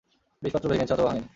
বিষপাত্র ভেঙেছে অথবা ভাঙেনি।